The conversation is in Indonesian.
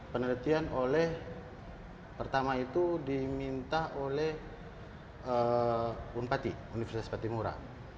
penelitian pertama itu diminta oleh universitas patimura